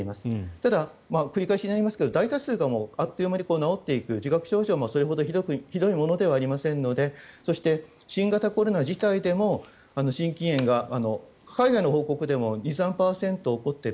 ただ、繰り返しになりますが大多数があっという間に治っていく自覚症状もそれほどひどいものではありませんのでそして、新型コロナ自体でも心筋炎が海外の報告でも２３％起こっている。